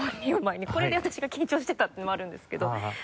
これで私が緊張してたってのもあるんですけど。